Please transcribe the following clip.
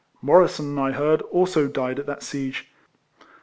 Morrisson, I heard, also died at that siege.